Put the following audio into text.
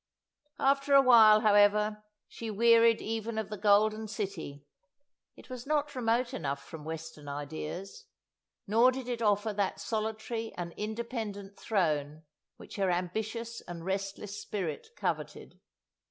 After awhile, however, she wearied even of the Golden City it was not remote enough from Western ideas, nor did it offer that solitary and independent throne which her ambitious and restless spirit coveted.